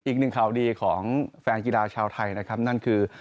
อีกหนึ่งข่าวดีของแฟนกีฬาชาวไทยนะครับนั่นคือ